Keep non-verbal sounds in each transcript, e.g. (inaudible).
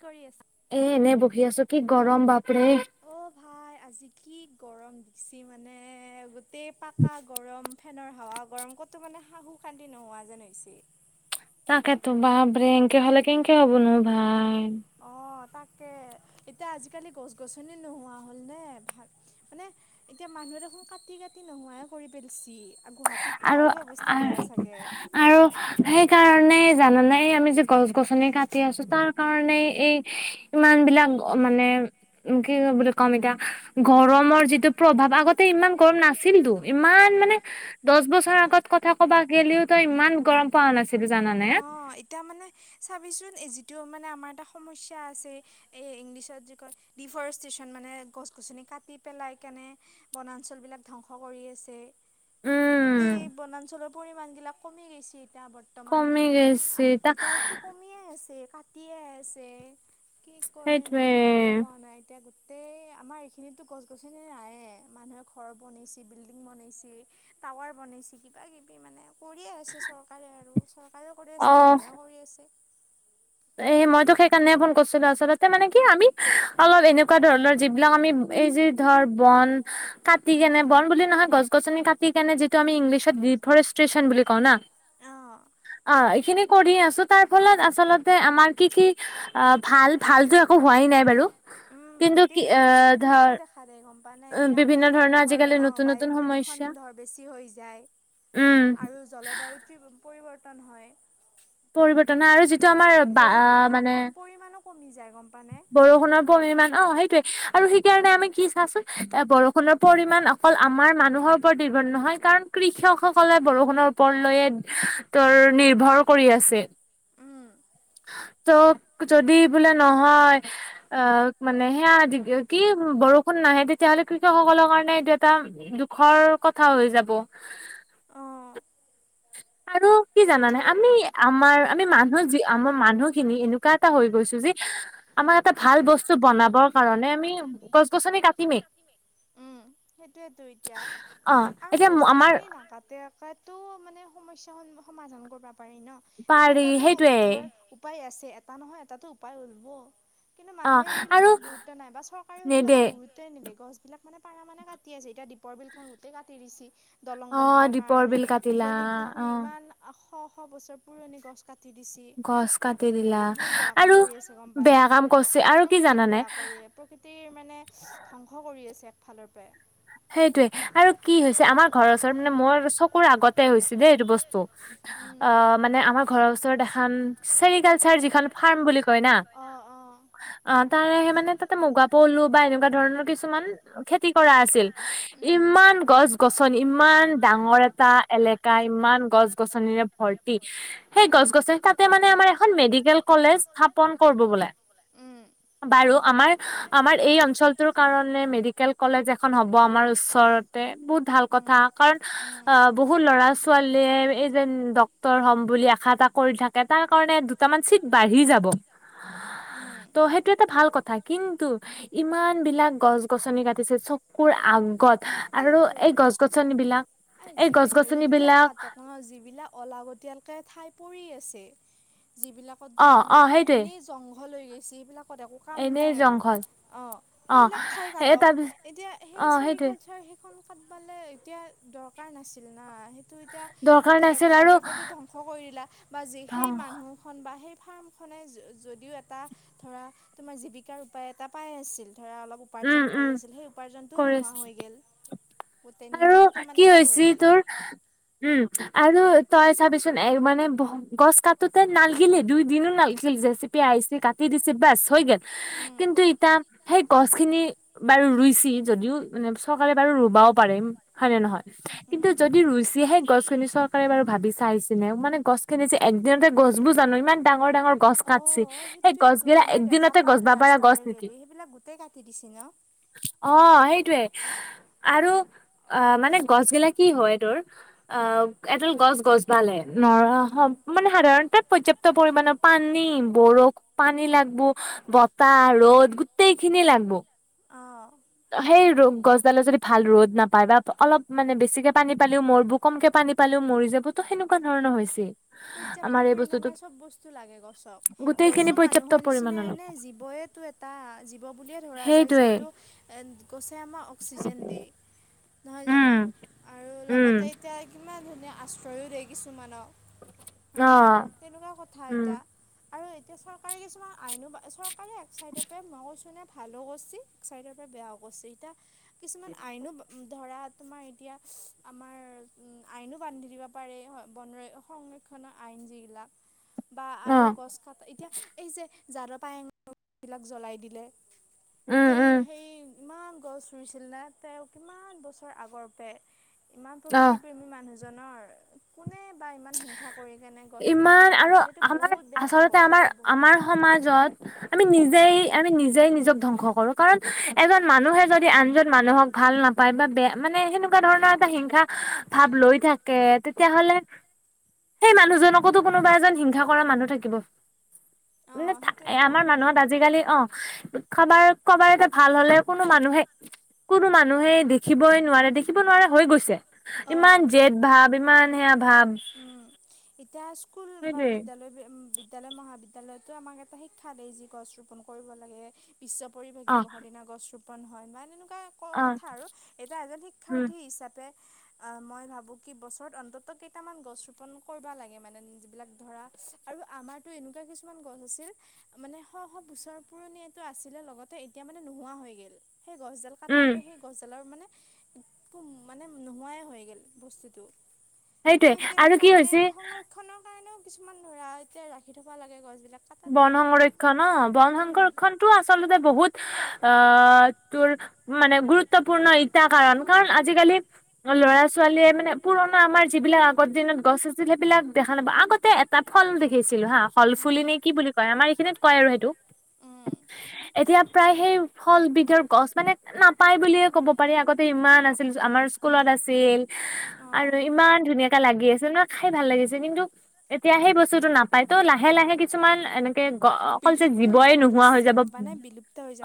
কি কৰি আছে। এ - এনে বহি আছো কি গৰম বাপ অ, ভাই আজি কি গৰম দিচি মানে গোটেই পাকা গৰম ফেনৰ হাৱা গৰম ক'তো মানে শাহু সু খান্তি নোহোৱা যেন হৈছি। তাকেতো বাপৰে এনকে হ'লে কেনকে হ'ব নো ভাই। অ, তাকে। এতিয়া আজিকালি গছ গছনি নোহোৱা হল নে ভাল মানে এতিয়া মানুহে দেখোন কাটি - কাটি সহা কৰি পেলছি। আৰু আৰু সেইকাৰণে জানা নাই এই আমি যে গছ গছনি কাটি আছো তাৰ কাৰণে এই ইমান বিলাক মানে উম, কি বুলি কম এতিয়া গৰমৰ যিটো প্ৰভাৱ আগতে ইমান গৰম নাছিলতো ইমান মানে দহ বছৰ আগত কথা কবা গ'লেও তই ইমান গৰম পোৱা নাছিলো জানা নে। ছাবিচুন জন এজি সটো মানে আমাৰ এটা সমস্যা আছে এই ইংলিছত যি কয় ডিফৰেষ্টেশ্যন মানে গছ গছনি কাটি পেলাই কেনে বনাঞ্চল বিলাক ধ্বংস কৰি আছে গোটেই বনাঞ্চলৰ পৰিমান বিলাক কমি গৈছে এতিয়া বৰ্তমান এতিয়া কমিয়ে আছে কাতিয়ে আছে কি কয় মানে ভাবিব পৰা নাই এতিয়া তাতে আমাৰ এইখিনিতো গছ গছনি নায়ে মানুহে ঘৰ বনাইছে বিল্ডিং বনাইছে টাৱাৰ বনাইছে কিবা কিবি মানে কৰিয়ে আছে চৰকাৰে আৰু চৰকাৰেও কৰি আছে মানুহেও কৰি আছে এ মইতো সেইকাৰণেে ফোন কৰিছিলো আচলতে মানে কি আমি অলপ এনেকুৱা ধৰণৰ যিবিলাক আমি এই যি ধৰ বন কাটি কেনে বন বুলি নহয় গছ গছনি কাটি কেনে যিটো আমি ইংলিছত দি ডি ফৰেষ্টেচন বুলি কও না এইখিনি কৰিয়েই আছো তাৰ ফলত আমাৰ কি কি অ' ভাল ভালতো একো হোৱাই নাই বাৰু উম গোটেই সমস্যা বিলাকে দেখা দে গম মানে এতিয়া ধৰ অ' বায়ু প্ৰদূষণ ধৰ বেছি হৈ যায় আৰু জলবায়ু পৰিৱৰ্তন হয় পৰিৱৰ্তনৰ হয় আৰু যিটো আমাৰ বা মানে বৰষুণৰ পৰিমণ অ' সেইটোয়ে আৰু সেই কাৰণে আমি কি চাচোন বৰষুণৰ পৰিমান অকল আমাৰ মানুহৰ ওপৰত নিৰ্ভৰ নহয় কাৰণ কৃষকসকলে বৰষুণৰ ওপৰ লয়ে তৰ নিৰ্ভৰ কৰি আছে উম ত যদি বোলে ন নহয় অ' মানে সেয়া কি বৰষুণ নাহে তেতিয়াহ'লে কৃষকসকলৰ কাৰণে সেইকাৰণে এইটো এটা দুখৰ কথা হৈ যাব আৰু কি জানানে আমি আমাৰ আমি মানুহ আমাৰ মানুহখিনি এনেকুৱা এটা হৈ গৈছো যে (inaudible) আমাৰ এটা ভাল বস্তু বনাবৰ কাৰণে আমি গছ গছনি কাটিমেই সেইতো এতিয়া আৰু গছ গছনি নাকাতে টো মানে সমস্যা সমাধান কৰিব পাৰি ন তেনেকুৱাটো ধৰ উপায় আছে এটা নহয় এটাতো উপায় উলিব কিন্তু মানুহে সেইবিলাক গুৰুত্ব নাই চৰকাৰেও সেইবিলক গুৰুত্বই নিদে গছ বিলাক মানে পাৰা মানে কাটি আছে এতিয়া দীপৰ বিল খন গোটেই কাটি দিছি দলং বনাব কাৰণে দীঘলী পুখুৰী ইমান শ শ বছৰ পুৰণি গছ কাটি দিছে এইবিলাক বহুত বেয়া কাম কৰি আছে কোম্পানীয়ে প্ৰকৃতিক বেয়া প্ৰকৃতিৰ মানে ধ্বংস কৰি আছে একফালৰ পৰাই সেইটোৱে আৰু কি হৈছে আমাৰ ঘৰৰ ওচৰত মানে মোৰ চকুৰ আগতে হৈছে দেই এইটো বস্তু অ', মানে আমাৰ ঘৰৰ ওচৰত এখন ছেৰিকালচাৰ যিখন ফাৰ্ম বুলি কয় না অ', তাৰে সেই মানে তাতে মুগা পলু বা এনেকুৱা ধৰণৰ কিছুমান খেতি কৰা আছিল ইমান গছ-গছনি ইমান ডাঙৰ এটা এলেকা ইমান গছ-গছনিৰে। ভৰ্তি সেই গছ-গছনি তাতে মানে আমাৰ এখন মেডিকেল কলেজ স্থাপন কৰিব বোলে। বাৰু আমাৰ আমাৰ এই অঞ্চলটোৰ কাৰণে মেডিকেল কলেজ এখন। আমাৰ ওচৰতে বহুত ভাল কথা কাৰণ বহু লৰা-ছোৱালীয়ে। এই যে ডক্তৰ হ'ম বুলি আশা এটা কৰি থাকে তাৰ কাৰণে দুটামান চিট বাঢ়ি যাব। উম (inaudible) ত' সেইটো এটা ভাল কথা কিন্তু ইমান বিলাক গছ গছনি কাটিছে চব। চকুৰ আগত আৰু এই গছ গছনিবলাক এই গছ গছনিবলাক। যিবিলাক অলাগতিয়ালকে ঠাই পৰি আছে। যিবিলাকত ধৰা তোমাৰ এনেই জংঘল হৈ গৈছে সেইবিলাক। একো কাম নাই আৰু অ সেইবিলাক ঠাই কাটক এতিয়া সেই চেৰীকালচাৰ কাটবে এতিয়া দৰকাৰ নাছিল না। গোটেই এক চাইডৰ পৰাতো ধ্বংস কৰি দিলা বা যি সেই মানুহ খন বা সেই ফাৰ্মখনে যদিও এটা ধৰা তোমাৰ জীৱিকাৰ উপায় এটা পাই আছিল। ধৰা অলপ উপাৰ্জন কৰি আছিল সেই উপাৰ্জনটোও নোহোৱা হৈ গ'ল। আৰু কি হৈ হৈছে তোৰ উম। আৰু তই চাবিচোন এ মানে গছ কাটোতেই নালগিলে দুই দিনো নালগিল জেচিপি। কাটি দিছে বাছ হৈ জেল কিন্তু এতিয়া সেই। গছ খিনি বাৰু ৰুইছে যদিও মানে চৰকাৰে বাৰু ৰুবাও। হয় নে নহয় কিন্তু যদি ৰুছে গছ খিনি। বাৰু ভাবি চাইছে মানে গছ খিনি যে একদিনতে গছবোৰ জানো ইমান। ডাঙৰ-ডাঙৰ গছ কাটিছে সেই গছ বিলাক একদিনতে গছবা পাৰা গছ নেকি? গোটে কাটি দিছে ন। আৰু অ' মানে গছ গিলা কি হয় তোৰ অ এদাল গছ গছদালে মানে সাধাৰণতে পৰ্যাপ্ত পৰিমণৰ পানী বৰষ পানী লাগব বতাৰ। ৰ'দ গোটেইখিনি লাগব। সেই ৰোগ গছ ডাল যদি ভাল ৰ'দ নাপায় বা অলপ মানে বেছিক কে পানী পালিও মৰিবোৰ কমকে পানী পালিও মৰি যাবো টো সেনেকুৱা সেনেকুৱা ধৰণৰ হৈছে আমাৰ এই বস্তু গোটেই খিনি পৰ্যাপ্ত পৰিমানৰ কিনে এনেই জীৱইতো এটা জীৱ বুলিয়ে ধৰা যায় যিহেতু গছে আমাক অক্সিজেন দিয়েই নহয় জানো আৰু লগতে এতিয়া, ইমান ধুনীয়া আশ্ৰয়ো দিয় কিছুমানক হয়নে তেনেকুৱা কথা এতিয়া আৰু। এতিয়া চৰকাৰী কিছুমান আইনো চৰকাৰী এক চাইডপে মই কৈছো নে। ভালো কৰিছে এক চাইডৰ পৰা বেয়াও কৰিছে এতিয়া কিছুমান আইনো ধৰা তোমাৰ এতিয়া আমাৰ উ আইনো বান্ধি দিব পাৰ আৰে বন সংৰক্ষণৰ আইন যিবিলাক বা আৰু গছ কাট এতিয়া এই যে যাদ পায়ঙ বিলাক জ্বলাই দিলে। গোটেই সেই ইমান গছ। ফুৰিছিল না তেওঁ কিমান বছৰ আগৰ পৰা ইমান প্ৰকৃতি প্ৰেমী মানুহ। জনৰ এনে বা ইমান হিংসা কৰি কেনে গছ বিলাক জ্বলাই দিছে এইটো বহুত বেয়া কাম কৰিছে দেই বহুত বেয়া কাম। ত আমি নিজেই আমি নিজেই নিজক ধ্বংস কৰো কাৰণ এজন মানুহে যদি আনজন মানুহক ভাল নাপায় বা বেয়া মানে মানে সেনেকুৱা ধৰণৰ এটা হিংসা ভাৱ লৈ থাকে তেতিয়াহলে। সেই মানুহজনকতো কোনোবা এজন হিংসা কৰা মানুহ থাকিব। মানে আমাৰ মানুহত আজিকালি অ', খবাৰ কবাৰ এয়া ভাল হলে কোনো মানুহে, কোনো মানুহে দেখিবই নোৱাৰে দেখিব নোৱাৰে হৈ গৈছে। ইমান জেদ ভাব ইমান সেয়া ভাব। ইতিাহাস স্কুল বা বিদ্যালয় বিদ্যালয় মহাবিদ্যালয়ৰ বিদ্যালয়তো আমাক এটা শিক্ষা দেই যি গছ ৰোপন কৰিব লাগে বিশ্ব পৰিৱেশ দিৱসৰ দিনা গছ ৰোপন ৰোপন হয় মানে তেনেকুৱা কথা আৰু এতিয়া এজন শিক্ষাৰ্থী হিচাপে অ' মই ভাবো কি বছৰত অন্তত কেইটামান গছ ৰোপন কৰবা লাগে মানে যিবিলাক ধৰা আৰু আমাৰতো এনেকুৱা কিছুমান গছ আছিল মানে শ শ বচৰ পুৰণিয়েটো আছিলে লগতে এতিয়া মানে নোহোৱা হৈ গেল। সেই গছডাল কাটাৰ পৰা, সেই গছডালৰ মানে একো মানে নোহোৱাই হৈ গেল বস্তুটো। সেইটোৱে আৰু কি হৈছে কাৰণেও কিছুমান ধৰা এতিয়া ৰাখি থব লাগে গছ বন সংৰক্ষণ ন, বন সংৰক্ষণটো আচলতে বহুত অ, অ, তোৰ মানে গুৰুত্বপূৰ্ণ এতিয়া কাৰণে, কাৰণ আজিকালি ল'ৰা-ছোৱালী মানে পুৰণা আমাৰ যিবিলাক আগৰ দিনত গছ আছিল সেইবিলাক দেখা নাব আগতে এটা ফল দেখিছিলো হাঁ হল ফুলি নে কি বুলি কয় আমাৰ এইখিনিত কয় আৰু সেইটো। উম, এতিয়া প্ৰায় সেই ফল বিধৰ গছ মানে নাপায় বুলিয়ে ক'ব পাৰি আগতে ইমান আছিল আমাৰ স্কুলত আছিল আৰু ইমান ধুনীয়াকে লাগি (unintelligible) খাই ভাল লাগিছে কিন্তু এতিয়া সেই বস্তুতো নাপায় ত লাহে লাহে কিছুমান এনেকে অকল যে জীৱয়ে নোহোৱা হৈ যাব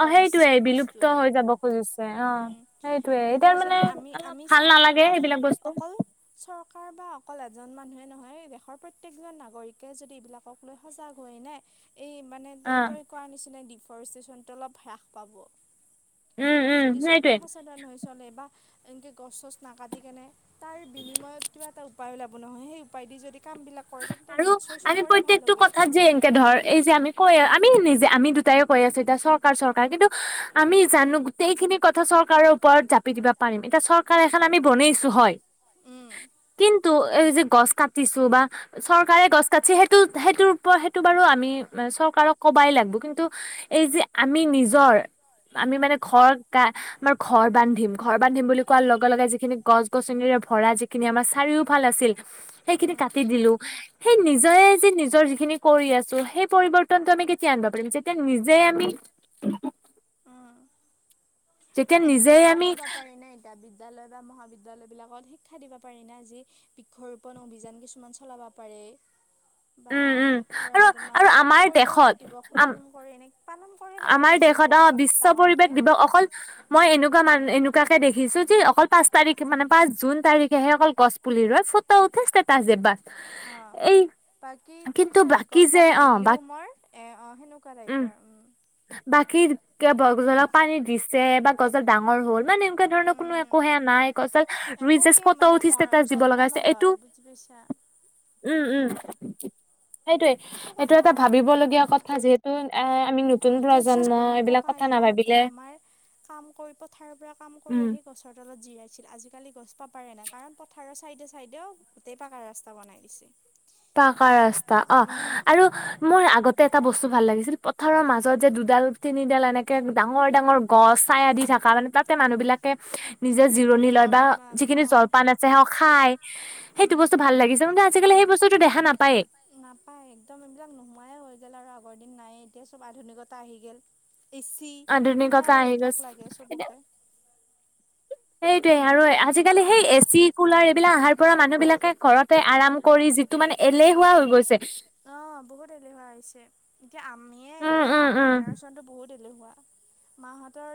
অ', সেইটোয়ে বিলুপ্ত বিলুপ্ত হৈ যাব খুজিছে অ', সেইটোয়ে এতিয়া মানে অলপ ভাল নালাগে সেইবিলাক বস্তু। চৰকাৰ বা অকল এজন মানুহে নহয় দেশৰ প্ৰত্যেকজন নাগৰিকে যদি এইবিলাকক লৈ সজাগ হয় নে, এই মানে তই তই কোৱাৰ নিচিনা দীপ ফৰেষ্টেচনটো অলপ হ্ৰাস পাব যদি চবে সচেতন হৈ চলে বা এনেকে গছ চছ নাকাটি কেনে তাৰ বিনিময়ত কিবা এটা উপায় ওলাব নহয় সেই উপায় দি যদি আৰু আমি প্ৰত্যেকটো কথাত যে এনকে ধৰ এই যে আমি কৈ আমি নিজে আমি দুটাইয়ে কৈ আছে এতিয়া চৰকাৰ চৰকাৰ, কিন্তু আমি জানো গোটেইখিনি কথা চৰকাৰৰ ওপৰত জাপি দিবা পাৰিম এতিয়া চৰকাৰ এখন আমি বনাইছো হয় কিন্তু এই যে গছ কাটিছো বা চৰকাৰে গছ কাটছে সেইটো সেইটোৰ ওপৰত সেইটো বাৰু আমি চৰকাৰক কবাই লাগব কিন্তু এই যে আমি নিজৰ আমি মানে ঘৰ আমাৰ ঘৰ বান্ধিম ঘৰ বান্ধিম বুলি কোৱাৰ লগে লগে যিখিনি গছ গছনিৰ ভৰা যিখিনি আমাৰ চাৰিও ভাল আছিল সেইখিনি কাটি দিলো। নিজৰে যে নিজৰ যিখিনি কৰি আছো, সেই পৰিবৰ্তনটো আমি কেতিয়া আনিব পাৰিম যেতিয়া নিজে আমি উম, এ এনেকুৱাও কৰিব পাৰি নে এতিয়া বি বিদ্যালয় বা মহাবিদ্যালয় বিলাকত শিক্ষা দিব পাৰি না যি বৃক্ষৰোপণ অভিযান কিছুমান চলাব পাৰে। বা ধৰা তোমাৰ পৰিৱেশ দিৱসো পালন কৰে এনে আমাৰ দেশত অ', বিশ্ব পৰিবেশ দিৱস অকল মই এনেকুৱা মান এনেকুৱাকে দেখিছো যে অকল পাঁচ তাৰিখে মানে পাঁচ জুন তাৰিখে হে অকল গছ পুলি ৰয় ফটো উঠে এটা যে বাছ এই বাকী পিছত গছডাল মল্লিও মৰ এ অ, সেনেকুৱা টাইপৰ উম। বাকী (unintelligible) পানী দিছে বা গছডাল ডাঙৰ হল মানে তে ধৰণৰ কোনো একো সেয়া নাই গছডাল ৰুই জাষ্ট ফটো উঠি ষ্টেটাচ দিব লগা হৈছে এইটো উম, উম, সেইটোৱে এইটো এটা ভাবিব লগগীয়া কথা যিহেতু এ আমি অ', এতিয়া চৰ দিনত ককা আইতাহতে আমাৰ কাম কৰি পথাৰৰ পৰা কাম কৰি আহি গছৰ তলত (unintelligible) আজিকালি গছ পাৰে নে কাৰণ পথাৰৰ চাইডে চাইডেও গোটেই পাকা ৰাস্তা বনাই দিছে। পাকা ৰাস্তা অ' আৰু মোৰ আগতে এটা বস্তু ভাল লাগিছিল পথাৰৰ মাজত যে দু দুডাল-তিনিডাল এনেকে ডাঙৰ ডাঙৰ গছ চায়া দি থকা মানে তাতে মানুহবিলাক নিজে জিৰণি লয় বা যিখিনি জলপান আছে খাই, সেইটো বস্তু ভাল লাগিছে। সেইটো মানে আজিকালি সেই বস্তুটো নাপায় একদম এইবিলাক নোহোৱে হৈ গেল আৰু। আগৰ দিন নাইয়ে, এতিয়া চব আধুনিকতা আহি গে'ল। এচি, কুলাৰ এইবিলাক লাগে চবকে। সেইটোয়ে আৰু আজিকালি সেই এচি কুলাৰ এইবিলাক আহাৰ পৰা মানুহ বিলাকে ঘৰতে আৰাম কৰি। অ' বহুত এলেহুৱা হৈছে, এতিয়া আমিয়ে এলেহুৱা। আমাৰ জেনেৰেচনটো বহুত এলেহুৱা মাহতৰ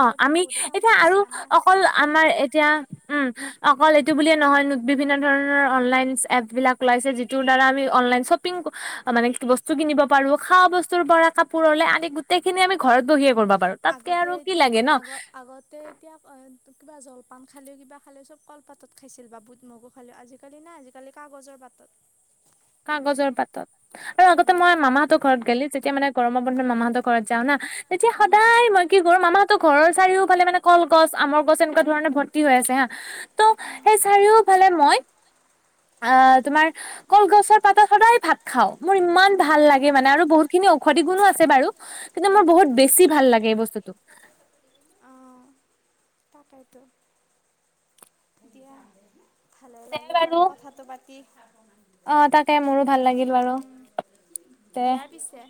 অ' আমি এতিয়া আৰু অকল আমাৰ এতিয়া উম' অকল এইটো বুলিয়ে নহয় বিভিন্ন ধৰণৰ অনলাইন এপ বিলাক ওলাইছে। যিটো, দ্বাৰা আমি অনলাইন শ্বপিং মানে কি বস্তু কিনিব পাৰো, খোৱা বস্তুৰ পৰা কাপোৰলে আদি গোটেই খিনি আমি ঘৰত বহিয়ে কৰিব পাৰো। তাতকে আৰু, এতিয়া আগ-আগতে এতিয়া কিবা জলপান খালেও, কিবা খালেও চব কলপাতত খাইছিল বা বুট মগু খালেও। আজিকালি নাই আজিকালি কাগজৰ পাতত। কাগজৰ পাতত আৰু আগতে মই মামাহঁতৰ ঘৰত গালি যেতিয়া মানে গৰমৰ বন্ধত মামাহঁতৰ ঘৰত যাও না তেতিয়া সদায় মই কি কৰো মামো ঘৰৰ চাৰিওফালে মানে কলগছ আমৰ গছ এনেকুৱা ধৰণৰে ভৰ্তি হৈ আছে হা ত' সেই চাৰিওফালে মই আহ তোমাৰ কলগছৰ পাতত সদায় ভাত খাওঁ মোৰ ইমান ভাল লাগে মানে আৰু বহুত খিনি ঔষধি গুণো আছে বাৰু কিন্তু মোৰ বহুত বেছি ভাল লাগ গে এই বস্তুটো তাকাইতো দিয়া ভালে লাগিল আৰু কথাটো পাতি উম দিয়া পিছে